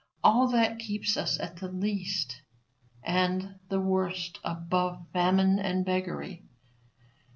All that keeps us at the least and the worst above famine and beggary.